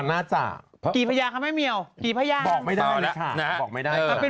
เขาบอกคนนี้ปากกาวเสียบ้านหมดเลย